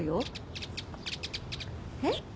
えっ？